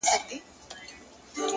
علم د تصمیم نیولو ځواک زیاتوي!.